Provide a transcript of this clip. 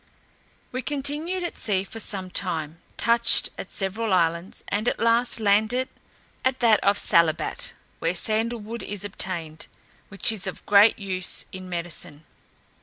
We continued at sea for some time, touched at several islands, and at last landed at that of Salabat, where sandal wood is obtained, which is of great use in medicine.